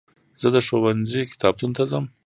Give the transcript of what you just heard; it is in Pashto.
زه د ښوونځي کتابتون ته ځم.